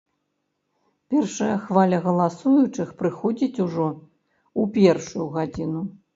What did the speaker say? Першая хваля галасуючых прыходзіць ужо ў першую гадзіну.